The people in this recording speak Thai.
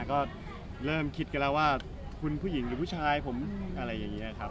ก็เริ่มคิดกันแล้วว่าคุณผู้หญิงหรือผู้ชายผมอะไรอย่างนี้ครับ